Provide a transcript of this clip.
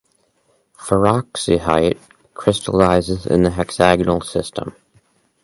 Feroxyhyte crystallizes in the hexagonal system.